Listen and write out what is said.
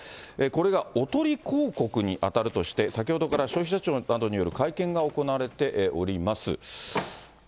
これがおとり広告に当たるとして、先ほどから消費者庁などによる会見が行われています。